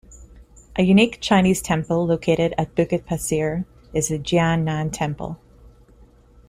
A unique Chinese temple located at Bukit Pasir is the Jian Nan Temple.